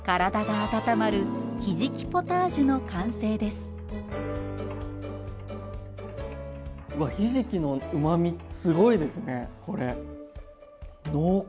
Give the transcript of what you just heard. わっひじきのうまみすごいですねこれ。濃厚！